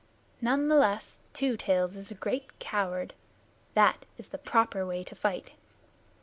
None the less, Two Tails is a great coward. That is the proper way to fight.